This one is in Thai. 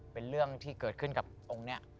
เป็นเรื่องที่เกิดขึ้นกับองค์นี้